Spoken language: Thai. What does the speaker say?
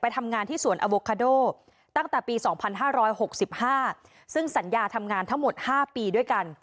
ทำงานที่สวนอโวคาโดตั้งแต่ปี๒๕๖๕ซึ่งสัญญาทำงานทั้งหมด๕ปีด้วยกัน